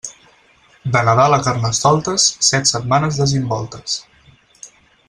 De Nadal a Carnestoltes, set setmanes desimboltes.